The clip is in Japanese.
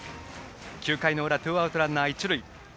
９回の裏ツーアウトランナー、一塁。